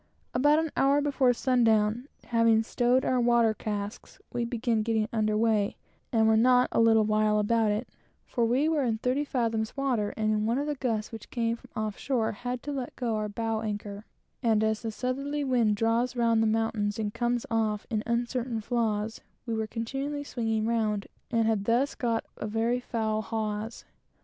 About an hour before sun down, having stowed our water casks, we commenced getting under weigh, and were not a little while about it; for we were in thirty fathoms water, and in one of the gusts which came off shore had let go our other bow anchor; and as the southerly wind draws round the mountains and comes off in uncertain flaws, we were continually swinging round, and had thus got a very foul hawse.